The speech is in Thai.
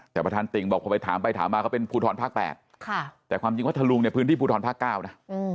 แต่ประธานติ่งบอกพอไปถามไปถามมาเขาเป็นภูทรภาค๘แต่ความจริงพัทธลุงเนี่ยพื้นที่ภูทรภาค๙นะ